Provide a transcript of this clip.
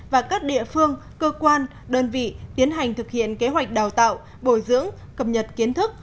và các địa phương cơ quan đơn vị tiến hành thực hiện kế hoạch đào tạo bồi dưỡng cập nhật kiến thức